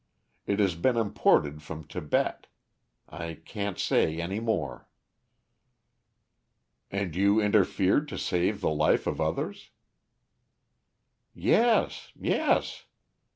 It has been imported from Tibet. I can't say any more." "And you interfered to save the life of others?" "Yes, yes.